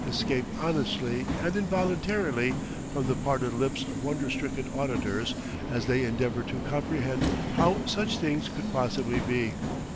escape honestly and involuntarily from the parted lips of wonder stricken auditors as they endeavored to comprehend how such things could possibly be.